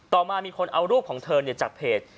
ต่อมามีคนเอารูปของเธอเนี่ยจากเพจ